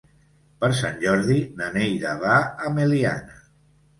Per Sant Jordi na Neida va a Meliana.